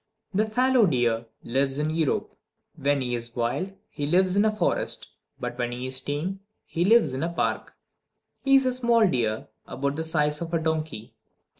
The fallow deer lives in Europe. When he is wild, he lives in a forest; but when he is tame, he lives in a park. He is a small deer, about the size of a donkey.